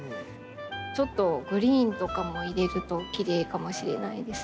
ちょっとグリーンとかも入れるときれいかもしれないですね。